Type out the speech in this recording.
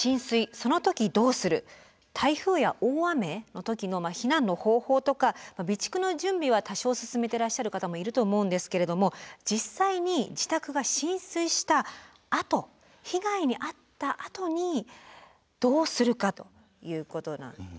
台風や大雨の時の避難の方法とか備蓄の準備は多少進めてらっしゃる方もいると思うんですけれども実際に自宅が浸水したあと被害にあったあとにどうするかということ。